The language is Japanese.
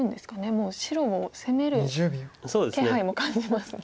もう白を攻める気配も感じますね。